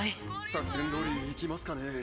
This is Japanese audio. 作戦どおりいきますかねぇ。